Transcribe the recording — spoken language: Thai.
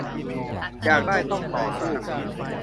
อยากได้ต้องต่อสู้